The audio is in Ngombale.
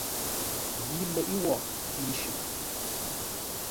Yi leʼe wo yi shʉʼʉ.